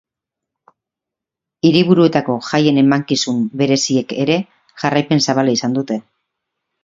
Hiriburuetako jaien emankizun bereziak ere jarraipen zabala izan dute.